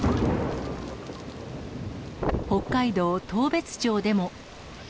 北海道当別町でも。